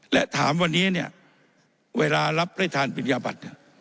และถามวันนี้เนี่ยเวลารับได้ทานปริญญาบัตร